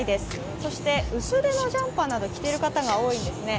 そして、薄手のジャンパーなどを着ている方が多いですね。